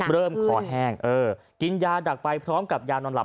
คอแห้งเออกินยาดักไปพร้อมกับยานอนหลับ